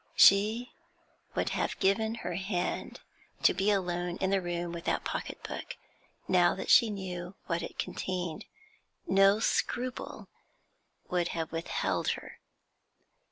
She would have given her hand to be alone in the room with that pocket book, now that she knew what it contained; no scruple would have withheld her.